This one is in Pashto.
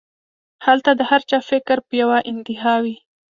هلته د هر چا فکر پۀ يوه انتها وي